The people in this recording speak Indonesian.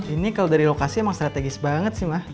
ini kalau dari lokasi emang strategis banget sih mah